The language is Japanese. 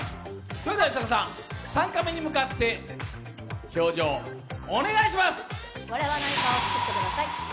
それでは３カメに向かって表情お願いします。